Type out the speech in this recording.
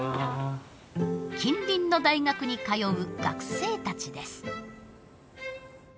近隣の大学に通う学生たちです。